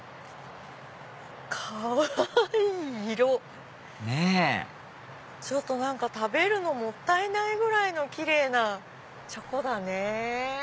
かわいい色！ねぇ食べるのもったいないぐらいのキレイなチョコだね。